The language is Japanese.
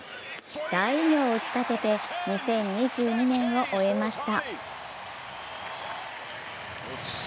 大偉業を打ち立てて、２０２２年を終えました。